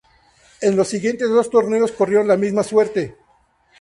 En los siguientes dos torneos corrieron la misma suerte.